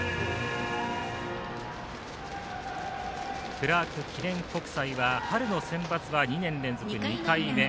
クラーク記念国際は春のセンバツは２年連続２回目。